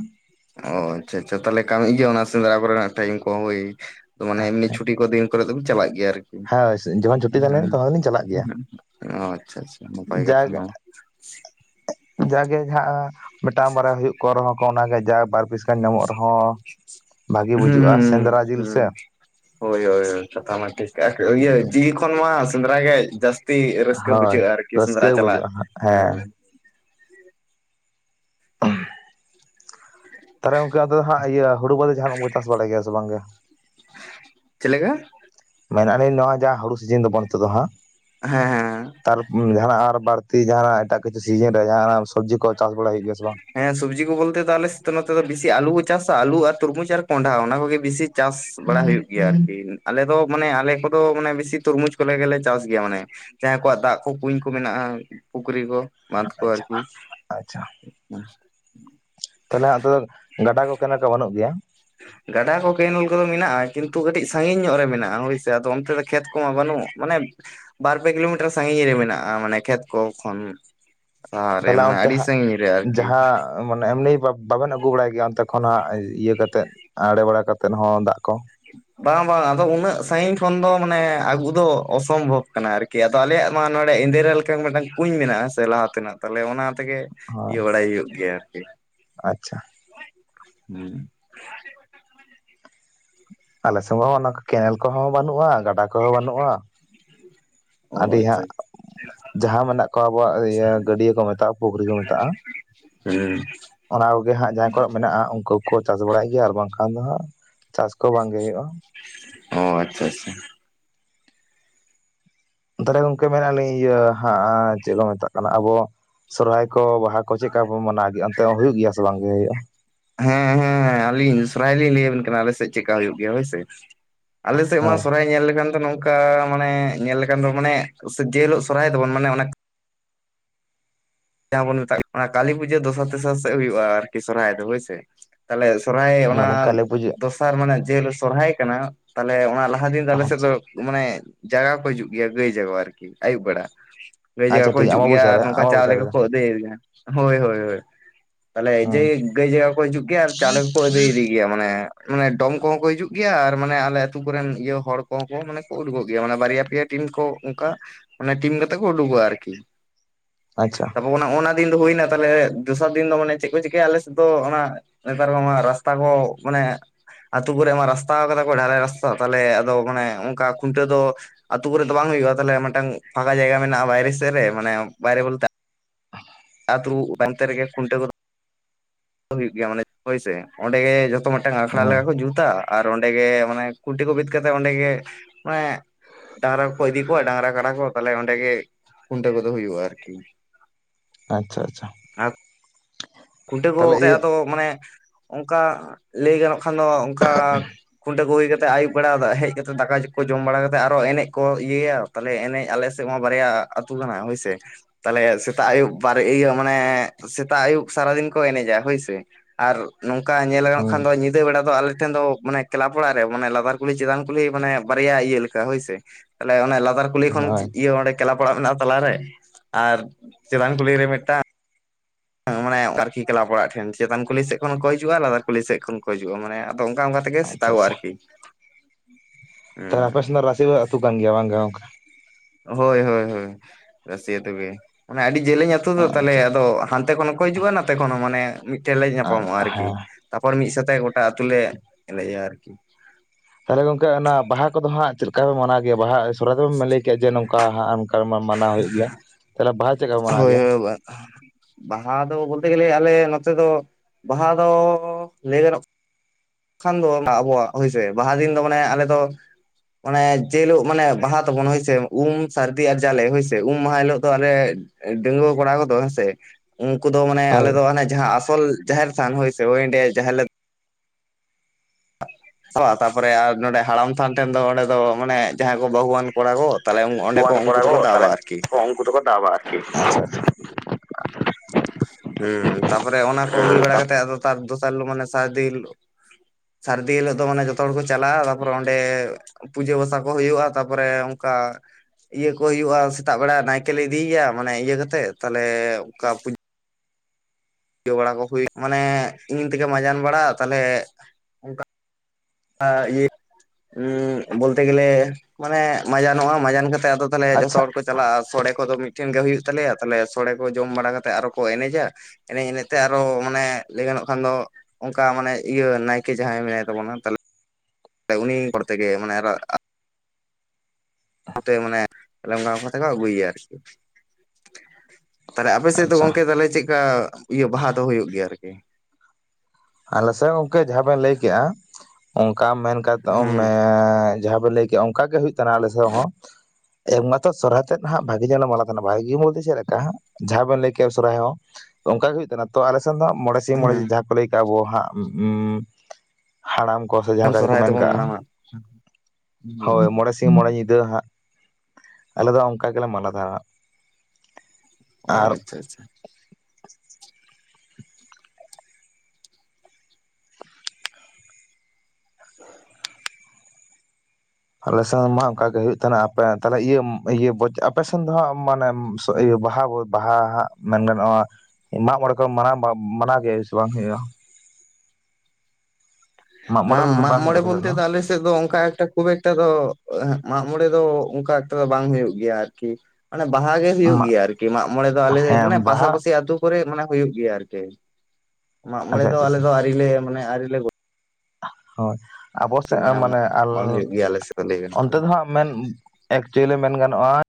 ᱚ ᱟᱪᱪᱷᱟ, ᱟᱪᱪᱷᱟ ᱛᱟᱦᱚᱞᱮ ᱠᱟᱹᱢᱤ ᱤᱭᱟᱹ ᱚᱱᱟ ᱥᱮᱸᱫᱽᱨᱟ ᱠᱚᱨᱮ ᱴᱟᱭᱤᱢ ᱠᱚ, ᱢᱟᱱᱮ ᱮᱢᱱᱤ ᱪᱷᱩᱴᱤ ᱪᱷᱩᱴᱤ ᱠᱚ ᱫᱤᱱ ᱠᱚᱨᱮ ᱫᱚ ᱠᱚ ᱪᱟᱞᱟᱜ ᱜᱮᱭᱟ᱾ ᱟᱨᱠᱤ ᱦᱮᱸ ᱡᱚᱠᱷᱚᱱ ᱪᱷᱩᱴᱤ ᱛᱟᱦᱮᱸ ᱦᱮᱸ ᱞᱮᱱᱟ᱾ ᱛᱚᱠᱷᱚᱱ ᱫᱚᱞᱤᱧ ᱪᱟᱞᱟᱜ ᱜᱮᱭ-ᱟ᱾ ᱦᱮᱸ, ᱟᱪᱪᱷᱟ, ᱟᱪᱪᱷᱟ, ᱱᱟᱯᱟᱭ ᱠᱟᱛᱷᱟ ᱚᱱᱟ ᱡᱟᱜᱮ ᱦᱚᱸ᱾ ᱡᱟᱜᱮ ᱡᱟᱦᱟᱸ ᱢᱤᱫᱴᱟᱝ ᱵᱟᱨᱭ-ᱟ ᱾ᱦᱩᱭᱩᱜ ᱠᱟᱱ ᱨᱮ-ᱦᱚᱸ ᱠᱚ ᱚᱱᱟᱜᱮ ᱡᱟ ᱜᱮ ᱵᱟᱨ ᱯᱤᱥ ᱜᱟᱱ ᱧᱟᱢᱚᱜ ᱨᱮ-ᱦᱚᱸ᱾ ᱵᱷᱟᱜᱤ ᱦᱩᱸ, ᱵᱩᱡᱩᱜᱼᱟ ᱥᱮᱸᱫᱽᱨᱟ ᱦᱩᱸ, ᱡᱤᱞ ᱦᱩᱸ ᱥᱮ ᱦᱩᱸ ᱦᱳᱭ ᱦᱳᱭ ᱦᱳᱭ ᱠᱟᱛᱷᱟ ᱢᱟ ᱴᱷᱤᱠ ᱤᱭᱟᱹ ᱡᱤᱞᱤ ᱠᱷᱚᱱ ᱢᱟ ᱥᱮᱸᱫᱽᱨᱟ ᱜᱮ ᱡᱟᱹᱥᱛᱤ ᱡᱟᱹᱥᱛᱤ ᱨᱟᱹᱥᱠᱟᱹ ᱦᱳᱭ ᱵᱩᱡᱷᱟᱹᱜᱼᱟ ᱟᱨᱠᱤ ᱥᱮᱸᱫᱽᱨᱟ ᱨᱟᱹᱥᱠᱟᱹ ᱪᱟᱞᱟᱜ ᱵᱩᱡᱷᱟᱹᱜᱼᱟ ᱦᱟᱸᱜ ᱦᱮᱸ, [unintelligible] ᱛᱟᱦᱚᱞᱮ ᱜᱚᱝᱠᱮ ᱟᱫᱚ ᱦᱟᱸᱜ ᱤᱭᱟᱹ ᱦᱩᱲᱩ ᱵᱟᱫᱮ ᱡᱟᱦᱟᱱᱟᱜ ᱠᱚ ᱪᱟᱥ ᱵᱟᱲᱟᱭ ᱜᱮᱭᱟ ᱥᱮ ᱵᱟᱝ ᱜᱮ? ᱪᱮᱫ ᱞᱮᱠᱟ, ᱢᱮᱱ ᱟᱹᱞᱤᱧ ᱱᱚᱣᱟ ᱡᱟ ᱡᱟᱦᱟᱸ ᱦᱩᱲᱩ ᱥᱤᱡᱤᱱ ᱛᱟᱵᱚᱱ ᱱᱤᱛᱚᱜ ᱫᱚ ᱦᱟᱸᱜ, ᱦᱮᱸᱻ ᱛᱟᱨ ᱡᱟᱦᱟᱱᱟᱜ ᱟᱨ ᱵᱟᱹᱲᱛᱤ ᱱᱟᱜ ᱮᱴᱟᱜ ᱠᱤᱪᱷᱩ ᱥᱤᱡᱤᱱ ᱨᱮ ᱡᱟᱦᱟᱸᱱᱟ ᱥᱚᱵᱡᱤ ᱠᱚ ᱪᱟᱥ ᱵᱟᱲᱟᱭ ᱦᱩᱭᱩᱜ ᱜᱮᱭᱟ ᱥᱮ ᱵᱟᱝ? ᱦᱮᱸ ᱥᱚᱵᱽᱡᱤ ᱠᱚ ᱵᱚᱞᱛᱮ ᱫᱚ ᱟᱞᱮ ᱥᱤᱫ ᱱᱚᱛᱮ ᱫᱚ ᱵᱮᱥᱤ ᱟᱞᱩ ᱠᱚ ᱪᱟᱥᱟ ᱟᱞᱩ ᱟᱨ ᱛᱩᱨᱢᱩᱡᱽ ᱟᱨ ᱠᱚᱸᱰᱷᱟ ᱚᱱᱟ ᱠᱚᱜᱮ ᱵᱤᱥᱤ ᱪᱟᱥ ᱵᱟᱲᱟ ᱦᱩᱭᱩᱜ ᱜᱮᱭᱟ ᱟᱨᱠᱤ ᱟᱞᱮ ᱫᱚ ᱢᱟᱱᱮ ᱟᱞᱮ ᱠᱚᱫᱚ ᱢᱟᱱᱮ ᱵᱮᱥᱤ ᱛᱚᱨᱢᱩᱡᱽ ᱠᱚᱨᱮ ᱜᱮᱞᱮ ᱪᱟᱥ ᱜᱮᱭᱟ, ᱢᱟᱱᱮ ᱡᱟᱦᱟᱸᱭ ᱠᱚᱣᱟᱜ ᱫᱟᱜ ᱠᱚ ᱠᱩᱧ ᱠᱚ ᱢᱮᱱᱟᱜᱼᱟ ᱯᱩᱠᱷᱨᱤ ᱠᱚ ᱵᱟᱸᱫᱷ ᱠᱚ ᱟᱨᱠᱤ, ᱟᱪᱪᱷᱟ᱾ [unintelligible] ᱛᱟᱦᱞᱮ ᱟᱫᱚ ᱜᱟᱰᱟ ᱠᱚ ᱠᱮᱱᱮᱞ ᱠᱚ ᱵᱟᱹᱱᱩᱜ ᱜᱮᱭᱟ᱾ ᱜᱟᱰᱟ ᱠᱚ ᱠᱮᱱᱮᱞ ᱠᱚᱫᱚ ᱢᱮᱱᱟᱜ-ᱟ ᱠᱤᱱᱛᱩ ᱠᱟᱹᱴᱤᱡ ᱥᱟᱺᱜᱤᱧ ᱧᱚᱜ ᱨᱮ ᱢᱮᱱᱟᱜ-ᱟ, ᱦᱳᱭᱥᱮ ᱟᱫᱚ ᱚᱱᱛᱮ ᱫᱚ ᱠᱷᱮᱛ ᱠᱚᱢᱟ ᱵᱟᱹᱱᱩᱜ ᱢᱟᱱᱮ ᱵᱟᱨ ᱯᱮ ᱠᱤᱞᱳᱢᱤᱴᱟᱨ ᱥᱟᱺᱜᱤᱧ ᱨᱮ ᱢᱮᱱᱟᱜ-ᱟ ᱢᱟᱱᱮ ᱠᱷᱮᱛ ᱠᱚ ᱠᱷᱚᱱ, ᱥᱟᱦᱟᱨᱮ ᱛᱟᱦᱚᱞᱮ ᱢᱟᱱᱮ ᱚᱱᱛᱮ ᱟᱹᱰᱤ ᱦᱟᱸᱜ ᱥᱟᱺᱜᱤᱧ ᱨᱮ ᱟᱨᱠᱤ ᱾ ᱡᱟᱦᱟᱸ ᱢᱟᱱᱮ ᱮᱢᱱᱤ ᱵᱟᱵᱮᱱ ᱟᱹᱜᱩ ᱵᱟᱲᱟᱭ ᱜᱮᱭᱟ ᱚᱱᱛᱮ ᱠᱷᱚᱱ ᱦᱟᱸᱜ ᱤᱭᱟᱹ ᱠᱟᱛᱮᱫ ᱟᱲᱮ ᱵᱟᱲᱟ ᱠᱟᱛᱮᱫ ᱦᱚᱸ ᱫᱟᱜ ᱠᱚ᱾ [unintelligible] ᱵᱟᱝ ᱵᱟᱝ ᱟᱫᱚ ᱩᱱᱟᱹᱜ ᱥᱟᱺᱜᱤᱧ ᱠᱷᱚᱱ ᱫᱚ ᱢᱟᱱᱮ ᱟᱹᱜᱩ ᱫᱚ ᱚᱥᱚᱢᱵᱷᱚᱵ ᱠᱟᱱᱟ ᱟᱨᱠᱤ ᱟᱫᱚ ᱟᱞᱮᱭᱟᱜ ᱢᱟ ᱱᱚᱰᱮ ᱤᱱᱫᱮᱨᱮᱞ ᱢᱤᱫᱴᱟᱝ ᱠᱩᱧ ᱢᱮᱱᱟᱜᱼᱟ ᱦᱮᱸᱥᱮ ᱞᱟᱦᱟ ᱛᱮᱱᱟᱜ ᱛᱟᱦᱚᱞᱮ ᱚᱱᱟ ᱛᱮᱜᱮ ᱦᱳᱭ ᱤᱭᱟᱹ ᱵᱟᱲᱟᱭ ᱦᱩᱭᱩᱜ ᱜᱮᱭᱟ ᱟᱨᱠᱤ᱾ ᱟᱪᱪᱷᱟ᱾ ᱦᱩᱸ ᱟᱞᱮ ᱥᱮᱫ ᱦᱚᱸ ᱚᱱᱟ ᱠᱮᱱᱮᱞ ᱠᱚᱦᱚᱸ ᱵᱟᱹᱱᱩᱜᱼᱟ ᱜᱟᱰᱟ ᱠᱚᱦᱚᱸ ᱵᱟᱹᱱᱩᱜᱼᱟ᱾ ᱚ ᱟᱹᱰᱤ ᱟᱪᱪᱷᱟ ᱦᱟᱸᱜ ᱡᱟᱦᱟᱸ ᱢᱮᱱᱟᱜ ᱠᱚᱣᱟ ᱟᱵᱚᱣᱟᱜ ᱜᱟᱹᱰᱭᱟᱹ ᱠᱚ ᱢᱮᱛᱟᱜᱼᱟ ᱯᱩᱠᱷᱨᱤ ᱠᱚ ᱢᱮᱛᱟᱜᱼᱟ᱾ ᱦᱩᱸ, ᱚᱱᱟ ᱠᱚᱜᱮ ᱦᱟᱸᱜ ᱡᱟᱦᱟᱸᱭ ᱠᱚᱨᱮ ᱢᱮᱱᱟᱜᱼᱟ ᱩᱱᱠᱩᱠᱚ ᱪᱟᱥ ᱵᱟᱲᱟᱭᱮᱫ ᱜᱮᱭᱟ ᱟᱨ ᱵᱟᱝᱠᱷᱟᱱ ᱫᱚ ᱦᱟᱸᱜ ᱪᱟᱥ ᱠᱚ ᱵᱟᱝᱜᱮ ᱦᱩᱭᱩᱜᱼᱟ᱾ ᱚᱸ ᱟᱪᱪᱷᱟ ᱟᱪᱪᱷᱟ᱾ ᱛᱟᱦᱚᱞᱮ ᱜᱚᱝᱠᱮ ᱢᱮᱱᱮ ᱟᱹᱞᱤᱧ ᱤᱭᱟᱹ ᱦᱟᱸ ᱪᱮᱫ ᱠᱚ ᱢᱮᱛᱟᱜ, ᱠᱟᱱᱟ ᱟᱵᱚ ᱥᱚᱨᱚᱦᱟᱭ ᱠᱚ ᱵᱟᱦᱟ ᱠᱚ ᱪᱮᱫ ᱠᱟ ᱵᱚᱱ ᱢᱟᱱᱟᱣ ᱜᱮᱭᱟ ᱚᱱᱛᱮ ᱦᱚᱸ ᱦᱩᱭᱩᱜ ᱜᱮᱭᱟ ᱥᱮ ᱵᱟᱝ ᱜᱮ ᱦᱩᱭᱩᱜᱼᱟ? ᱦᱮᱸ ᱦᱮᱸ ᱦᱮᱸ ᱟᱹᱞᱤᱧ ᱥᱚᱨᱦᱟᱭᱞᱤᱧ ᱞᱟᱹᱭ ᱟᱵᱤᱱ ᱠᱟᱱᱟ ᱟᱞᱮ ᱥᱮᱫ ᱪᱮᱫᱠᱟ ᱦᱩᱭᱩᱜ ᱜᱮᱭᱟ ᱦᱳᱭᱥᱮ, ᱟᱞᱮ ᱥᱮᱫ ᱢᱟ ᱦᱳᱭ ᱥᱚᱨᱦᱟᱭ ᱧᱮᱞ ᱞᱮᱠᱷᱟᱱ ᱛᱚ ᱱᱚᱝ ᱱᱚᱝᱠᱟ ᱢᱟᱱᱮ ᱧᱮᱞ ᱞᱮᱠᱷᱟᱱ ᱫᱚ ᱢᱟᱱᱮ ᱡᱮ ᱦᱤᱞᱳᱜ ᱥᱚᱨᱦᱟᱭ ᱛᱟᱵᱚᱱ ᱢᱟᱱᱮ ᱚᱱᱟ ᱡᱟᱦᱟᱸ ᱵᱚᱱ ᱢᱮᱛᱟᱜ ᱠᱟᱱᱟ ᱠᱟᱹᱞᱤ ᱯᱩᱡᱟᱹ ᱫᱚᱥᱟᱨ ᱛᱮᱥᱟᱨ ᱥᱮᱫ ᱦᱩᱭᱩᱜ-ᱟ ᱟᱨᱠᱤ ᱥᱚᱨᱦᱟᱭ ᱫᱚ ᱦᱳᱭᱥᱮ, ᱛᱟᱦᱚᱞᱮ ᱥᱚᱨᱦᱟᱭ ᱚᱱᱟ ᱢᱟᱱᱮ ᱠᱟᱞᱤ ᱯᱩᱡᱟᱹ ᱫᱚᱥᱟᱨ ᱢᱟᱱᱮ ᱡᱮ ᱦᱤᱞᱳᱜ ᱥᱚᱨᱦᱟᱭ ᱠᱟᱱᱟ ᱛᱟᱦᱚᱞᱮ ᱚᱱᱟ ᱞᱟᱦᱟ ᱫᱤᱱ ᱟᱞᱮ ᱥᱮᱫ ᱟᱪᱪᱷᱟ ᱫᱚ ᱢᱟᱱᱮ ᱡᱟᱜᱟᱣ ᱠᱚ ᱦᱤᱡᱩᱜ ᱜᱮᱭᱟ ᱜᱟᱹᱭ ᱡᱟᱜᱟᱣ ᱟᱨᱠᱤ ᱟᱹᱭᱩᱵ ᱵᱮᱲᱟ᱾ ᱜᱟᱹᱭ ᱡᱟᱜᱟᱣ ᱟᱪᱪᱷᱟ ᱠᱚ ᱴᱷᱤᱠ ᱦᱤᱡᱩᱜ ᱜᱮᱭᱟ ᱟᱢᱵᱟᱵᱟᱹᱥᱭᱟᱹ ᱟᱨ ᱨᱮ ᱱᱚᱝᱠᱟ ᱟᱢᱵᱟᱵᱟᱹᱥᱭᱟᱹ ᱪᱟᱣᱞᱮ ᱨᱮ ᱠᱚ ᱟᱹᱫᱟᱹᱭ ᱦᱳᱭ ᱦᱳᱭ ᱦᱳᱭ ᱛᱟᱦᱚᱞᱮ ᱦᱩᱸ ᱡᱮ ᱜᱟᱹᱭ ᱡᱟᱜᱟᱣ ᱠᱚ ᱦᱤᱡᱩᱜ ᱜᱮᱭᱟ ᱟᱨ ᱪᱟᱣᱞᱮ ᱠᱚᱠᱚ ᱟᱹᱫᱟᱹᱭ ᱤᱫᱤ ᱜᱮᱭᱟ ᱢᱟᱱᱮ ᱢᱟᱱᱮ ᱰᱚᱢ ᱠᱚᱦᱚᱸ ᱠᱚ ᱦᱤᱡᱩᱜ ᱜᱮᱭᱟ ᱟᱨ ᱢᱟᱱᱮ ᱟᱞᱮ ᱟᱹᱛᱩ ᱠᱚᱨᱮᱱ ᱤᱭᱟᱹ ᱦᱚᱲ ᱠᱚᱦᱚᱸ ᱠᱚ ᱢᱟᱱᱮ ᱠᱚ ᱩᱰᱩᱠᱚᱜ ᱜᱮᱭᱟ ᱢᱟᱱᱮ ᱵᱟᱨᱭᱟ ᱯᱮᱭᱟ ᱴᱤᱢ ᱠᱚ ᱚᱱᱠᱟ ᱢᱟᱱᱮ ᱴᱤᱢ ᱠᱟᱛᱮ ᱠᱚ ᱩᱰᱩᱜᱼᱟ ᱟᱨᱠᱤ᱾ ᱟᱪᱪᱷᱟ᱾ ᱛᱟᱯᱚᱨ ᱚᱱᱟ ᱚᱱᱟ ᱫᱤᱱ ᱫᱚ ᱦᱩᱭᱱᱟ ᱛᱟᱦᱚᱞᱮ ᱫᱚᱥᱟᱨ ᱫᱤᱱ ᱫᱚ ᱢᱟᱱᱮ ᱪᱮᱫ ᱠᱚ ᱪᱤᱠᱟᱹᱭᱟ ᱟᱞᱮ ᱥᱮᱫ ᱫᱚ ᱚᱱᱟ ᱱᱮᱛᱟᱨ ᱠᱚ ᱢᱟ ᱨᱟᱥᱛᱟ ᱠᱚ ᱢᱟᱱᱮ ᱟᱛᱩ ᱠᱚᱨᱮᱜ ᱢᱟ ᱨᱟᱥᱛᱟᱣ ᱠᱟᱫᱟ ᱠᱚ ᱰᱷᱟᱞᱟᱭ ᱨᱟᱥᱛᱟ ᱛᱟᱦᱚᱞᱮ ᱟᱫᱚ ᱢᱟᱱᱮ ᱚᱝᱠᱟ ᱠᱷᱩᱱᱴᱟᱹᱣ ᱫᱚ ᱟᱛᱩ ᱠᱚᱨᱮᱫ ᱫᱚ ᱵᱟᱝ ᱦᱩᱭᱩᱜᱼᱟ ᱛᱟᱦᱚᱞᱮ ᱢᱤᱫᱴᱟᱝ ᱯᱷᱟᱸᱠᱟ ᱡᱟᱭᱜᱟ ᱢᱮᱱᱟᱜᱼᱟ ᱵᱟᱭᱨᱮ ᱥᱮᱫ ᱨᱮ ᱢᱟᱱᱮ ᱵᱟᱭᱨᱮ ᱵᱚᱞᱛᱮ ᱟᱹᱛᱩ ᱯᱟᱱᱛᱮ ᱨᱮᱜᱮ ᱠᱷᱩᱱᱴᱟᱹᱣ ᱠᱚᱫᱚ ᱦᱩᱭᱩᱜ ᱜᱮᱭᱟ ᱢᱟᱱᱮ ᱦᱳᱭ ᱥᱮ ᱚᱸᱰᱮ ᱜᱮ ᱡᱚ ᱛᱚ ᱢᱤᱫᱴᱟᱝ ᱟᱠᱷᱲᱟ ᱦᱩᱸ ᱞᱮᱠᱟ ᱠᱚ ᱡᱩᱛᱟ ᱟᱨ ᱚᱸᱰᱮ ᱜᱮ ᱢᱟᱱᱮ ᱠᱷᱩᱱᱴᱤ ᱠᱚ ᱵᱤᱫ ᱠᱟᱛᱮ ᱚᱸᱰᱮ ᱜᱮ ᱢᱟᱱᱮ ᱰᱟᱝᱨᱟ ᱠᱚ ᱠᱚ ᱤᱫᱤ ᱠᱚᱣᱟ ᱰᱟᱝᱨᱟ ᱠᱟᱰᱟ ᱠᱚ ᱛᱟᱦᱚᱞᱮ ᱚᱸᱰᱮ ᱜᱮ ᱠᱷᱩᱱᱴᱟᱹᱣ ᱠᱚᱫᱚ ᱦᱩᱭᱩᱜᱼᱟ ᱟᱨᱠᱤ᱾ ᱟᱪᱪᱷᱟ ᱟᱪᱪᱷᱟ᱾ ᱟᱨ ᱠᱷᱩᱱᱴᱟᱹᱣ ᱠᱚ ᱛᱟᱦᱚᱞᱮ ᱛᱮ ᱤᱭᱟᱹ ᱟᱫᱚ ᱢᱟᱱᱮ ᱚᱝᱠᱟ ᱞᱟᱹᱭ ᱜᱟᱱᱚᱜ ᱠᱷᱟᱱ ᱫᱚ ᱚᱝᱠᱟ ᱠᱷᱩᱱᱴᱟᱹᱣ ᱠᱚ ᱦᱩᱭ ᱠᱟᱛᱮ ᱟᱹᱭᱩᱵ ᱵᱮᱲᱟ ᱦᱮᱡ ᱠᱟᱛᱮ ᱫᱟᱠᱟ ᱠᱚ ᱡᱚᱢ ᱵᱟᱲᱟ ᱠᱟᱛᱮᱫ ᱟᱨᱚ ᱮᱱᱮᱡ ᱠᱚ ᱤᱭᱟᱹᱭᱟ, ᱛᱟᱦᱚᱞᱮ ᱮᱱᱮᱡ ᱟᱞᱮ ᱥᱮᱜ ᱢᱟ ᱵᱟᱨᱭᱟ ᱟᱛᱩ ᱠᱟᱱᱟ ᱦᱳᱭᱥᱮ, ᱛᱟᱦᱚᱞᱮ ᱥᱮᱛᱟᱜ ᱟᱭᱩᱵ ᱵᱟᱨ ᱤᱭᱟᱹ ᱢᱟᱱᱮ ᱥᱮᱛᱟᱜ ᱟᱭᱩᱵ ᱥᱟᱨᱟ ᱫᱤᱱ ᱠᱚ ᱮᱱᱮᱡᱟ ᱦᱳᱭᱥᱮ, ᱟᱨ ᱱᱚᱝᱠᱟ ᱧᱮᱞ ᱜᱟᱱᱚᱜ ᱠᱷᱟᱱ ᱦᱩᱸ ᱫᱚ ᱧᱤ ᱫᱟᱹ ᱵᱮᱲᱟ ᱫᱚ ᱟᱞᱮ ᱴᱷᱮᱱ ᱫᱚ ᱢᱟᱱᱮ ᱠᱮᱞᱟᱯ ᱚᱲᱟᱜ ᱨᱮ ᱢᱟᱱᱮ ᱞᱟᱛᱟᱨ ᱠᱩᱞᱦᱤ ᱪᱮᱛᱟᱱ ᱠᱩᱞᱦᱤ ᱢᱟᱱᱮ ᱵᱟᱨᱭᱟ ᱤᱭᱟᱹ ᱞᱮᱠᱟ ᱦᱳᱭᱥᱮ, ᱛᱟᱦᱚᱞᱮ ᱚᱱᱮ ᱞᱟᱛᱟᱨ ᱠᱩᱞᱦᱤ ᱠᱷᱚᱱ ᱦᱳᱭ ᱤᱭᱟᱹ ᱚᱸᱰᱮ ᱠᱮᱞᱟᱯ ᱚᱲᱟᱜ ᱢᱮᱱᱟᱜᱼᱟ ᱛᱟᱞᱟᱨᱮ, ᱟᱨ ᱪᱮᱛᱟᱱ ᱠᱩᱞᱦᱤ ᱨᱮ ᱢᱤᱫᱴᱟᱝ ᱦᱮᱸ ᱢᱟᱱᱮ ᱟᱨᱠᱤ ᱠᱮᱞᱟᱯ ᱚᱲᱟᱜ ᱴᱷᱮᱱ ᱪᱮᱛᱟᱱ ᱠᱩᱞᱦᱤ ᱥᱮᱫ ᱠᱷᱚᱱ ᱦᱚᱸ ᱠᱚ ᱦᱤᱡᱩᱜᱼᱟ, ᱞᱟᱛᱟᱨ ᱠᱩᱞᱦᱤ ᱥᱮᱫ ᱠᱷᱚᱱ ᱠᱚ ᱦᱤᱡᱩᱜᱼᱟ ᱢᱟᱱᱮ ᱟᱫᱚ ᱚᱝᱠᱟ ᱚᱝᱠᱟ ᱛᱮᱜᱮ ᱟᱪᱪᱷᱟ ᱥᱮᱛᱟᱜᱚᱜ-ᱟ ᱟᱪᱪᱷᱟ ᱟᱨᱠᱤ᱾ ᱛᱟᱦᱚᱞᱮ ᱦᱩᱸ ᱟᱯᱮ ᱥᱮᱱ ᱫᱚ ᱨᱟᱥᱤ ᱟᱹᱛᱩ ᱠᱟᱱ ᱜᱮᱭᱟ ᱵᱟᱝ ᱜᱮ ᱜᱚᱝᱠᱮ? ᱦᱳᱭ ᱦᱳᱭ ᱦᱳᱭ, ᱨᱟᱥᱤ ᱟᱹᱛᱩ ᱜᱮ ᱢᱟᱱᱮ ᱟᱹᱰᱤ ᱡᱮᱞᱮᱧ ᱟᱹᱛᱩ ᱫᱚ ᱛᱟᱦᱚᱞᱮ ᱟᱪᱪᱷᱟ ᱟᱫᱚ ᱦᱟ ᱱᱛᱮ ᱠᱷᱚᱱ ᱦᱚᱸ ᱠᱚ ᱦᱤᱡᱩᱜᱼᱟ ᱱᱟᱛᱮ ᱠᱷᱚᱱ ᱦᱚᱸ ᱢᱟᱱᱮ ᱢᱤᱫᱴᱮᱱ ᱞᱮ ᱧᱟᱯᱟᱢᱚᱜᱼᱟ ᱦᱮᱸ ᱟᱨᱠᱤ᱾ ᱛᱟᱯᱚᱨ ᱢᱤᱫ ᱥᱟᱶᱛᱮ ᱜᱚᱴᱟ ᱟᱛᱩᱞᱮ ᱮᱱᱮᱡᱟ ᱟᱨᱠᱤ᱾ ᱛᱟᱦᱚᱞᱮ ᱜᱚᱝᱠᱮ ᱚᱱᱟ ᱵᱟᱦᱟ ᱠᱚᱫᱚ ᱦᱟᱸᱜ ᱪᱮᱫ ᱞᱮᱠᱟ ᱯᱮ ᱢᱟᱱᱟᱣ ᱜᱮᱭᱟ? ᱵᱟᱦᱟ ᱟᱨ ᱥᱚᱦᱨᱟᱭ ᱫᱚᱢ ᱢᱮᱱ ᱞᱟᱹᱭ ᱠᱮᱫ ᱡᱮ ᱱᱚᱝᱠᱟ ᱦᱟᱸᱜ ᱚᱱᱠᱟ ᱢᱟ ᱢᱟᱱᱟᱣ ᱦᱩᱭᱩᱜ ᱜᱮᱭᱟ ᱛᱟᱦᱚᱞᱮ ᱵᱟᱦᱟ ᱪᱮᱫᱠᱟ ᱯᱮ ᱦᱳᱭ ᱢᱟᱱᱟᱣ ᱜᱮᱭᱟ ᱦᱳᱭ᱾ [inaudible] ᱵᱟᱦᱟ ᱫᱚ ᱵᱚᱞᱛᱮ ᱜᱮᱞᱮ ᱟᱞᱮ ᱱᱚᱛᱮ ᱫᱚ, ᱵᱟᱦᱟ ᱫᱚ ᱞᱟᱹᱭ ᱜᱟᱱᱚᱜ ᱠᱷᱟᱱ ᱫᱚ ᱟᱵᱚᱣᱟᱜ ᱦᱳᱭᱥᱮ ᱵᱟᱦᱟ ᱫᱤᱱ ᱫᱚ ᱢᱟᱱᱮ ᱟᱞᱮ ᱫᱚ ᱢᱟᱱᱮ ᱡᱮ ᱦᱮᱞᱳᱜ ᱢᱟᱱᱮ ᱵᱟᱦᱟ ᱛᱟᱵᱚᱱ ᱦᱳᱭ ᱥᱮ ᱩᱢ, ᱥᱟᱹᱨᱫᱤ ᱟᱨ ᱡᱟᱞᱮ ᱦᱳᱭ ᱥᱮ ᱩᱢ ᱢᱟᱦᱟ ᱦᱤᱞᱳᱜ ᱫᱚ ᱟᱞᱮ ᱰᱟᱺᱜᱩᱣᱟᱹ ᱠᱚᱲᱟ ᱠᱚᱫᱚ ᱦᱮᱸ ᱥᱮ, ᱩᱝᱠᱩ ᱫᱚ ᱢᱟᱱᱮ ᱟᱞᱮ ᱦᱳᱭ ᱫᱚ ᱦᱟᱱᱮ ᱡᱟᱦᱟᱸ ᱟᱥᱚᱞ ᱡᱟᱦᱮᱨ ᱛᱷᱟᱱ ᱦᱳᱭ ᱥᱮ ᱤᱳᱭ ᱚᱸᱰᱮ ᱡᱟᱦᱮᱨ ᱞᱮ [unintelligible] ᱛᱟᱯᱚᱨᱮ ᱟᱨ ᱱᱚᱸᱰᱮ ᱦᱟᱲᱟᱢ ᱛᱷᱟᱱ ᱴᱷᱮᱱ ᱫᱚ ᱚᱸᱰᱮ ᱫᱚ ᱢᱟᱱᱮ ᱡᱟᱦᱟᱸᱭ ᱠᱚ ᱵᱟᱹᱦᱩᱣᱟᱱ ᱠᱚᱲᱟ ᱠᱚ ᱛᱟᱦᱚᱞᱮ ᱚᱸᱰᱮ ᱠᱚ ᱩᱝᱠᱩ ᱫᱚᱠᱚ ᱫᱟᱵᱟ ᱟᱨᱠᱤ᱾ ᱦᱩᱸ ᱛᱟᱯᱚᱨᱮ ᱚᱱᱟ ᱠᱚ ᱦᱩᱭ ᱵᱟᱲᱟ ᱠᱟᱛᱮᱜ ᱟᱫᱚ ᱛᱟᱨ ᱫᱚᱥᱟᱨ ᱦᱤᱞᱳᱜ ᱢᱟᱱᱮ ᱥᱟᱨᱫᱤ ᱦᱤᱞᱚᱜ ᱥᱟᱨᱫᱤ ᱦᱤᱞᱚᱜ ᱫᱚ ᱢᱟᱱᱮ ᱡᱚᱛᱚ ᱦᱚᱲ ᱠᱚ ᱪᱟᱞᱟᱜᱼᱟ ᱛᱟᱨᱯᱚᱨᱮ ᱚᱸᱰᱮ ᱯᱩᱡᱟᱹ ᱯᱟᱥᱟ ᱠᱚ ᱦᱩᱭᱩᱜᱼᱟ ᱛᱟᱯᱚᱨᱮ ᱚᱝᱠᱟ ᱤᱭᱟᱹ ᱠᱚ ᱦᱩᱭᱩᱜᱼᱟ ᱥᱮᱛᱟᱜ ᱵᱮᱲᱟ ᱱᱟᱭᱠᱮᱞᱮ ᱤᱫᱤᱭᱮᱭᱟ ᱢᱟᱱᱮ ᱤᱭᱟᱹ ᱠᱟᱛᱮᱜ ᱛᱟᱦᱚᱞᱮ ᱚᱝᱠᱟ ᱯᱩ ᱡᱟᱹ ᱵᱟᱲᱟ ᱠᱚ ᱦᱩᱭᱩᱜ, ᱢᱟᱱᱮ ᱤᱧ ᱤᱱ ᱛᱮᱜᱮ ᱢᱟᱡᱟᱱ ᱵᱟᱲᱟ ᱛᱟᱦᱚᱞᱮ ᱟᱻ ᱤᱭᱟᱹ, ᱩᱸᱻ ᱵᱚᱞᱛᱮ ᱜᱮᱞᱮ ᱢᱟᱱᱮ ᱢᱟᱡᱟᱱᱚᱜᱼᱟ ᱢᱟᱡᱟᱱ ᱠᱟᱛᱮ ᱟᱫᱚ ᱛᱟᱦᱚᱞᱮ ᱡᱷᱚᱛᱚ ᱟᱪᱪᱷᱟ ᱦᱚᱲ ᱠᱚ ᱪᱟᱞᱟᱜᱼᱟ ᱥᱚᱲᱮ ᱠᱚᱫᱚ ᱢᱤᱫ ᱴᱷᱮᱱ ᱜᱮ ᱦᱩᱭᱩᱜ ᱛᱟᱞᱮᱭᱟ, ᱛᱟᱦᱚᱞᱮ ᱥᱚᱲᱮ ᱠᱚ ᱡᱚᱢ ᱵᱟᱲᱟ ᱠᱟᱛᱮ ᱟᱨᱚ ᱠᱚ ᱮᱱᱮᱡᱟ, ᱮᱱᱮᱡ ᱮᱱᱮᱡᱛᱮ ᱟᱨᱚ ᱢᱟᱱᱮ ᱞᱟᱹᱭ ᱜᱟᱱᱚᱜ ᱠᱷᱟᱱ ᱫᱚ ᱚᱝᱠᱟ ᱢᱟᱱᱮ ᱤᱭᱟᱹ ᱱᱟᱭᱠᱮ ᱡᱟᱦᱟᱸᱭ ᱢᱮᱱᱟᱭ ᱛᱟᱵᱚᱱᱟ ᱛᱟᱦᱚ ᱞᱮ ᱩᱱᱤ [unintelligible] ᱛᱮ ᱜᱮ ᱢᱟᱱᱮ ᱟᱨᱚ [unintelligible] ᱢᱟᱱᱮ, ᱚᱝᱠᱟ ᱚᱝᱠᱟ ᱛᱮ ᱠᱚ ᱟᱹᱜᱩᱭᱟ ᱟᱨᱠᱤ᱾ ᱛᱟᱦᱭᱞᱮ ᱟᱯᱮ ᱥᱮᱫ ᱫᱚ ᱟᱪᱪᱷᱟ ᱜᱚᱝᱠᱮ ᱛᱟᱦᱚᱞᱮ ᱪᱮᱫᱠᱟ ᱤᱭᱟᱹ ᱵᱟᱦᱟ ᱫᱚ ᱦᱩᱭᱩᱜ ᱜᱮᱭᱟ ᱟᱨᱠᱤ? ᱟᱞᱮ ᱥᱮᱜ ᱜᱚᱝᱠᱮ ᱡᱟᱦᱟᱸ ᱵᱮᱱ ᱞᱟᱹᱭ ᱠᱮᱜᱼᱟ, ᱚᱝᱠᱟ ᱢᱮᱱ ᱠᱟᱛᱮ ᱦᱮᱸ [inaudible] ᱡᱟᱦᱟᱸ ᱵᱮᱱ ᱞᱟᱹᱭ ᱠᱮᱜᱼᱟ ᱚᱝᱠᱟ ᱜᱮ ᱦᱩᱭᱩᱜ ᱛᱟᱦᱮᱸᱱᱟ ᱟᱞᱮ ᱥᱮᱫ ᱦᱚᱸ, ᱮᱠ ᱢᱟᱛᱚ ᱥᱚᱨᱦᱟᱭ ᱛᱮᱫ ᱦᱟᱸᱜ ᱵᱷᱟᱹᱜᱤ [inaudible] ᱛᱟᱦᱮᱸᱱᱟ ᱵᱷᱟᱹᱜᱤ ᱵᱚᱞᱛᱮ ᱪᱮᱫ ᱞᱮᱠᱟ ᱦᱟᱸᱜ, ᱡᱟᱦᱟᱸ ᱵᱮᱱ ᱞᱟᱹᱭ ᱠᱮ ᱥᱚᱨᱦᱟᱭ ᱦᱚᱸ ᱚᱱᱠᱟ ᱜᱮ ᱦᱩᱭᱩᱜ ᱠᱟᱱᱟ ᱛᱚ ᱟᱞᱮ ᱥᱮᱱ ᱫᱚ ᱢᱚᱬᱮ ᱥᱤᱧ ᱢᱚᱬᱮ ᱡᱟᱦᱟᱸ ᱠᱚ ᱞᱟᱹᱭ ᱟᱵᱚ ᱦᱟᱸᱜ ᱦᱟᱲᱟᱢ ᱠᱚ ᱥᱮ ᱡᱟᱦᱟᱸ ᱦᱮᱸ ᱞᱮᱠᱟ ᱠᱚ ᱥᱚᱨᱦᱟᱭ ᱢᱮᱱ ᱛᱮᱵᱚᱱ ᱟᱠᱟᱜᱼᱟ ᱢᱟᱱᱟᱣᱟ ᱦᱳᱭ ᱦᱮᱸ ᱢᱚᱬᱮ ᱥᱤᱧ ᱢᱚᱬᱮ ᱧᱤᱫᱟᱹ ᱦᱟᱸᱜ ᱟᱞᱮ ᱫᱚ ᱚᱱᱠᱟ ᱜᱮᱞᱮ ᱢᱟᱞᱟ ᱫᱷᱟᱨᱟ ᱾ ᱚ ᱟᱪᱪᱷᱟ ᱟᱪᱪᱷᱟ ᱾ ᱟᱞᱮ ᱥᱮᱱ ᱢᱟ ᱚᱱᱠᱟ ᱜᱮ ᱦᱩᱭᱩᱜᱱᱟ ᱟᱯᱮ ᱛᱟᱦᱚᱞᱮ ᱤᱭᱟᱹ ᱤᱭᱟᱹ ᱟᱯᱮᱥᱮᱱ ᱫᱚ ᱦᱟᱸᱜ ᱢᱟᱱᱮ ᱤᱭᱟᱹ ᱵᱟᱦᱟ ᱵᱷᱚᱨ ᱵᱟᱦᱟ ᱦᱟᱸᱜ ᱢᱮᱱ ᱜᱟᱱᱚᱜᱼᱟ ᱢᱟᱜ ᱢᱚᱬᱮ ᱠᱚ ᱢᱟᱱᱟᱣ ᱢᱟᱱᱟᱣ ᱜᱮᱭᱟᱥᱮ ᱵᱟᱝ ᱦᱩᱭᱩᱜᱼᱟ ᱾ ᱢᱟᱜ ᱢᱟ ᱢᱚᱬᱮ ᱫᱚ ᱢᱟᱜ ᱵᱟᱝ ᱦᱩᱭᱩᱜᱼᱟ ᱢᱚᱬᱮ ᱟᱯᱮ ᱵᱚᱞᱛᱮ ᱫᱚ ᱟᱞᱮ ᱥᱮᱫ ᱥᱮᱫ ᱫᱚ ᱚᱱᱠᱟ ᱮᱠᱴᱟ ᱠᱷᱩᱵ ᱮᱠᱴᱟ ᱫᱚ ᱢᱟᱜ ᱢᱚᱬᱮ ᱫᱚ ᱚᱱᱠᱟ ᱮᱠᱴᱟ ᱫᱚ ᱵᱟᱝ ᱦᱩᱭᱩᱜ ᱜᱮᱭᱟ ᱟᱨᱠᱤ ᱾ ᱢᱟᱱᱮ ᱵᱟᱦᱟ ᱜᱮ ᱦᱩᱭᱩᱜ ᱜᱮᱭᱟ ᱟᱨᱠᱤ ᱢᱟᱜ ᱢᱚᱬᱮ ᱫᱚ ᱟᱞᱮ ᱢᱟᱱᱮ ᱦᱮᱸ ᱵᱟᱦᱟ ᱯᱟᱥᱟᱯᱟᱥᱤ ᱟᱹᱛᱩ ᱠᱚᱨᱮ ᱢᱟᱱᱮ ᱦᱩᱭᱩᱜ ᱜᱮᱭᱟ ᱟᱨᱠᱤ ᱢᱟᱜ ᱢᱚᱬᱮ ᱫᱚ ᱟᱞᱮ ᱫᱚ ᱟᱹᱣᱨᱤ ᱞᱮ ᱢᱟᱱᱮ ᱟᱹᱣᱨᱤ ᱦᱚᱭ ᱟᱵᱚ ᱥᱮᱫ ᱢᱟᱱᱮ ᱵᱟᱝ ᱦᱩᱭᱩᱜ ᱜᱮᱭᱟ ᱟᱞᱮ ᱥᱮᱫ ᱫᱚ ᱞᱟᱹᱭ ᱜᱟᱱᱚᱜ ᱠᱷᱟᱱ ᱚᱱᱛᱮ ᱫᱚ ᱦᱟᱸᱜ ᱢᱮᱱ ᱮᱠᱪᱩᱭᱮᱞᱤ ᱢᱮᱱ ᱜᱟᱱᱚᱜᱼᱟ ᱾